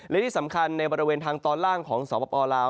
และที่สำคัญในบริเวณทางตอนล่างของสปลาว